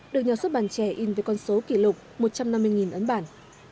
được nhà xuất bản trẻ in với con số kỷ lục một trăm năm mươi ấn bản